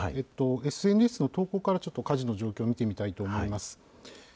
ＳＮＳの投稿からちょっと火事の状況を見てみたいと思います。